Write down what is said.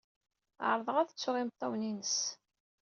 Ɛerḍeɣ ad ttuɣ imeṭṭawen-ines.